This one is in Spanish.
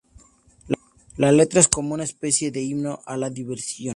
La letra es como una especie de himno a la diversión.